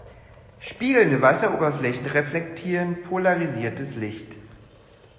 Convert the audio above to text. Spiegelnde Wasseroberflächen reflektieren polarisiertes Licht.